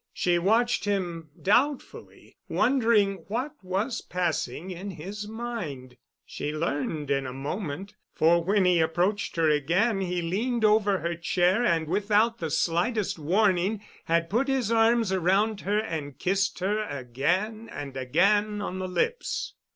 She watched him doubtfully, wondering what was passing in his mind. She learned in a moment; for when he approached her again he leaned over her chair and, without the slightest warning, had put his arms around her and kissed her again and again on the lips.